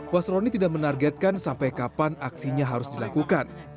wasroni tidak menargetkan sampai kapan aksinya harus dilakukan